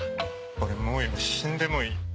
俺もう今死んでもいい。